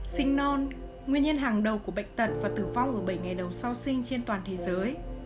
sinh non nguyên nhân hàng đầu của bệnh tật và tử vong ở bảy ngày đầu sau sinh trên toàn thế giới